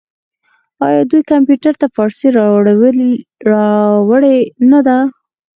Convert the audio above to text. آیا دوی کمپیوټر ته فارسي راوړې نه ده؟